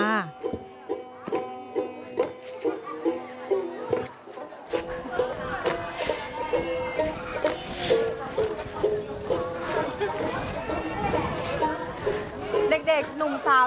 เด็กหนุ่มสาวและคนแก่จะแต่งกายด้วย